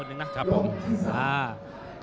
เผ่าฝั่งโขงหมดยก๒